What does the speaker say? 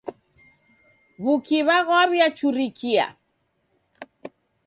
W'ukiw'a ghwawiachurikia.